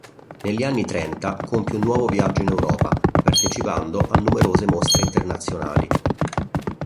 Negli anni Trenta compie un nuovo viaggio in Europa partecipando a numerose mostre internazionali.